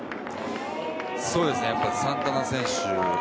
すごいですね、サンタナ選手。